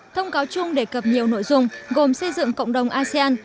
thông cáo chung đề cập nhiều nội dung gồm xây dựng cộng đồng asean